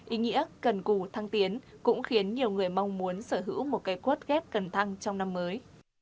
ý nghĩa cần cù thăng tiến cũng khiến nhiều người mong muốn sở hữu một cây quất ghép cần thăng trong năm mới